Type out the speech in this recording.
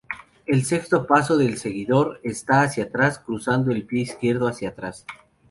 El sexto paso del seguidor está hacia atrás, cruzando el pie izquierdo hacia atrás.